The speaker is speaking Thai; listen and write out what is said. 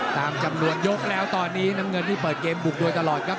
ตามจำนวนยกแล้วตอนนี้น้ำเงินนี่เปิดเกมบุกโดยตลอดครับ